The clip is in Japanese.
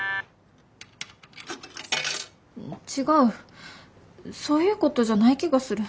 違うそういうことじゃない気がする。